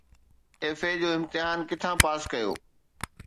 FA جو امتحان ڪٿان پاس ڪيو؟